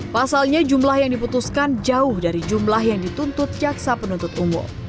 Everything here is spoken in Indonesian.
pasalnya jumlah yang diputuskan jauh dari jumlah yang dituntut jaksa penuntut umum